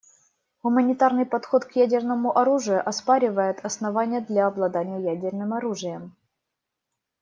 Гуманитарный подход к ядерному оружию оспаривает основания для обладания ядерным оружием.